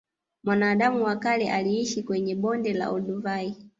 Mwanadamu wa kale aliishi kwenye bonde la olduvai